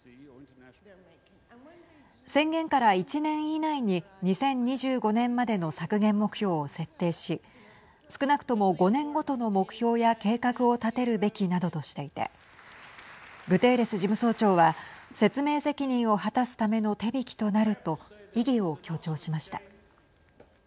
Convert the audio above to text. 宣言から１年以内に２０２５年までの削減目標を設定し少なくとも５年ごとの目標や計画を立てるべきなどとしていてグテーレス事務総長は説明責任を果たすための手引きとなると意義を強調しました。